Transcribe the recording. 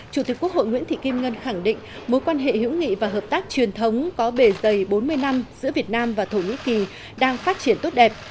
chủ tịch quốc hội nguyễn thị kim ngân khẳng định mối quan hệ hữu nghị và hợp tác truyền thống có bề dày bốn mươi năm giữa việt nam và thổ nhĩ kỳ đang phát triển tốt đẹp